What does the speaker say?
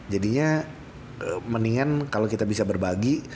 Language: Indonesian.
jadinya mendingan kalau kita bisa berbagi